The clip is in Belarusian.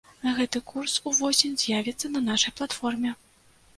Гэты курс увосень з'явіцца на нашай платформе!